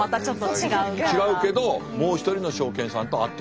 違うけどもう一人のショーケンさんと会ってる。